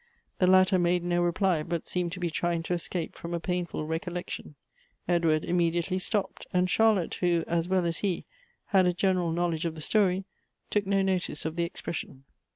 The latter made no reply, but seemed to be trying to escape from a painful recollection. Edward immediately stopped ; and Charlotte, who, as well as he, had a general knowledge of the story, took no notice of the expression.